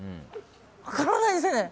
分からないですね。